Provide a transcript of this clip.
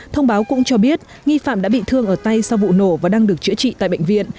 thông báo cũng cho biết nghi phạm đã bị thương ở tay sau vụ nổ và đang được chữa trị tại bệnh viện